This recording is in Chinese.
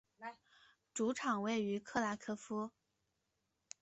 主场位于克拉科夫。